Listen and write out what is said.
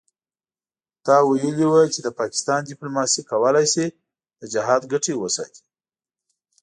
ته ویلي وو چې د پاکستان دیپلوماسي کولای شي د جهاد ګټې وساتي.